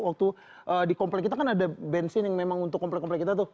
waktu di komplek kita kan ada bensin yang memang untuk komplek komplek kita tuh